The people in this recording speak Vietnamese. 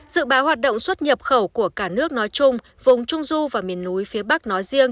dự báo hoạt động xuất nhập khẩu của cả nước nói chung vùng trung du và miền núi phía bắc nói riêng